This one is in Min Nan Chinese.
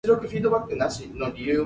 跋筊無了時